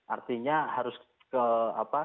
artinya harus ke apa